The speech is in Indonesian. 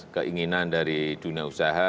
keinginan dari dunia usaha